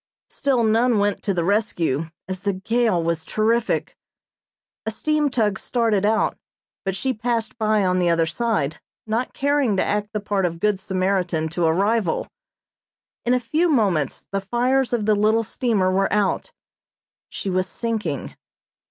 Still none went to the rescue, as the gale was terrific. A steam tug started out, but she passed by on the other side, not caring to act the part of good Samaritan to a rival. In a few moments the fires of the little steamer were out, she was sinking.